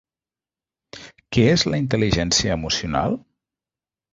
Què és la intel·ligència emocional?